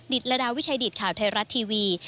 ดิจละดาวิชัยดิจข่าวไทยรัฐทีวี